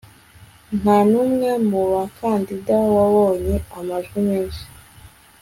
nta n'umwe mu bakandida wabonye amajwi menshi